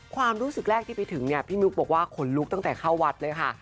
ความรู้สึกแรกที่ไปถึงเนี่ยพี่มุกบอกว่าขนลุกตั้งแต่เข้าวัดเลยค่ะ